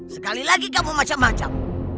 sekali lagi kamu macam macam